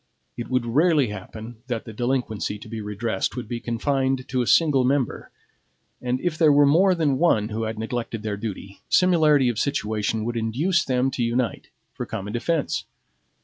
It would rarely happen that the delinquency to be redressed would be confined to a single member, and if there were more than one who had neglected their duty, similarity of situation would induce them to unite for common defense.